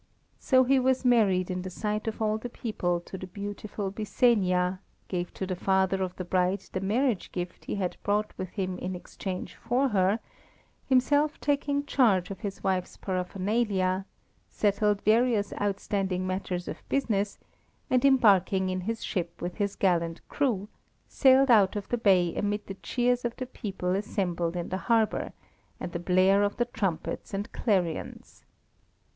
So he was married in the sight of all the people to the beautiful Byssenia, gave to the father of the bride the marriage gift he had brought with him in exchange for her, himself taking charge of his wife's paraphernalia, settled various outstanding matters of business, and embarking in his ship with his gallant crew, sailed out of the bay amid the cheers of the people assembled in the harbour, and the blare of the trumpets and clarions.